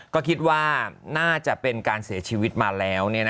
ก็คิดว่าน่าจะเป็นการเสียชีวิตมาแล้ว